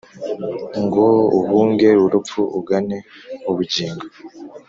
ngo uhunge urupfu ugane ubugingo